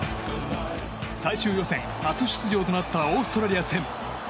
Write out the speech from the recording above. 最終予選初出場となったオーストラリア戦。